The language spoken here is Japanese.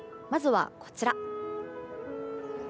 まずはこちら。